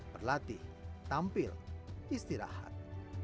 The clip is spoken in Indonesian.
berlatih tampil istirahat